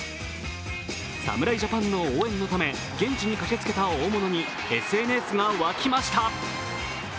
侍ジャパンの応援のため、現地に駆けつけた大物にＳＮＳが沸きました。